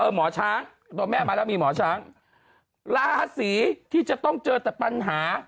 หมอช้างตัวแม่มาแล้วมีหมอช้างราศีที่จะต้องเจอแต่ปัญหา